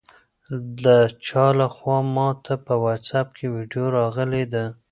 د چا لخوا ماته په واټساپ کې ویډیو راغلې ده؟